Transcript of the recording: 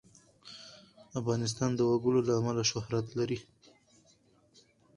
افغانستان د وګړي له امله شهرت لري.